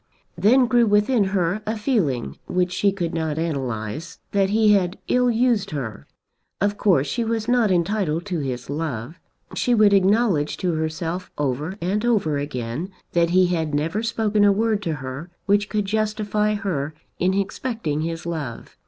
Then grew within her a feeling, which she could not analyse, that he had ill used her. Of course she was not entitled to his love. She would acknowledge to herself over and over again that he had never spoken a word to her which could justify her in expecting his love.